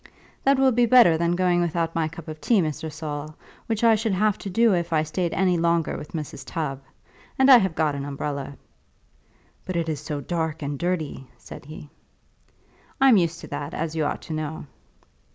"That will be better than going without my cup of tea, Mr. Saul, which I should have to do if I stayed any longer with Mrs. Tubb. And I have got an umbrella." "But it is so dark and dirty," said he. "I'm used to that, as you ought to know."